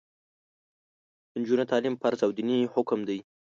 د نجونو تعلیم فرض او دیني حکم دی.